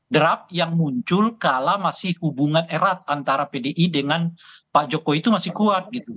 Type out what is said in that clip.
draft yang muncul kalau masih hubungan erat antara pdi dengan pak jokowi itu masih kuat gitu